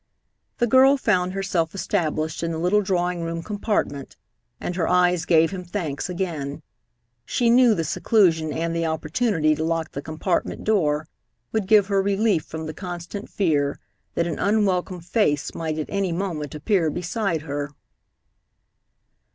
The girl found herself established in the little drawing room compartment, and her eyes gave him thanks again. She knew the seclusion and the opportunity to lock the compartment door would give her relief from the constant fear that an unwelcome face might at any moment appear beside her.